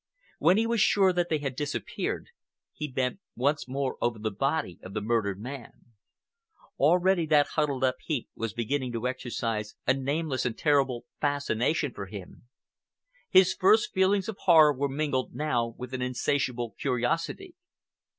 When he was sure that they had disappeared, he bent once more over the body of the murdered man. Already that huddled up heap was beginning to exercise a nameless and terrible fascination for him. His first feelings of horror were mingled now with an insatiable curiosity.